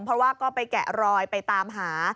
เพราะว่าก็ไปแกะรอยไปตามหา